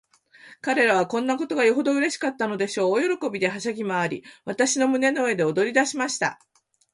彼等はこんなことがよほどうれしかったのでしょう。大喜びで、はしゃぎまわり、私の胸の上で踊りだしました。